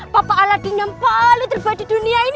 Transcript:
papa aladin yang paling terbaik di dunia ini